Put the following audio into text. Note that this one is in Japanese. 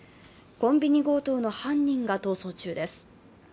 コンビニ強盗の犯人が逃走中です。